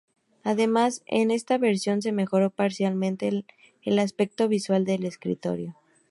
Además, en esta versión se mejoró parcialmente el aspecto visual del escritorio.